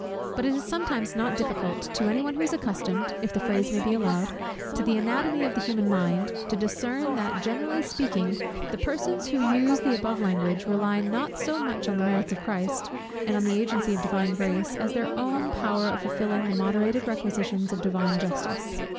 But it is sometimes not difficult to any one who is accustomed, if the phrase may be allowed, to the anatomy of the human mind, to discern, that generally speaking, the persons who use the above language, rely not so much on the merits of Christ, and on the agency of Divine Grace, as on their own power of fulfilling the moderated requisitions of Divine Justice.